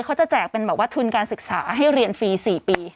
เขาจะแจกเป็นวัตถุนการศึกษาให้เรียนฟรี๔ปี